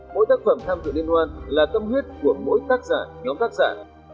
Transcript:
mỗi tác phẩm tham dự liên hoan là tâm huyết của mỗi tác giả nhóm tác giả